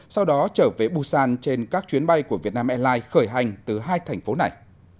sau đó trở về busan trên các chuyến bay của vietnam airlines khởi hành từ hai thành phố này